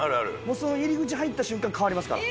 その入り口入った瞬間、変わりますから。